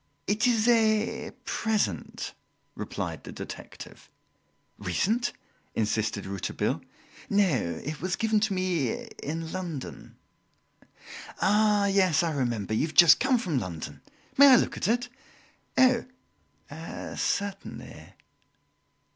"It is a present," replied the detective. "Recent?" insisted Rouletabille. "No, it was given to me in London." "Ah, yes, I remember you have just come from London. May I look at it?" "Oh! certainly!"